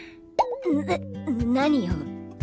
な何よ！？